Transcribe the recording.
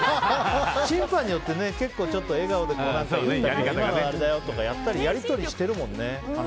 審判によって笑顔で言ったり今のあれだよとか、やったりやり取りしてるもんね。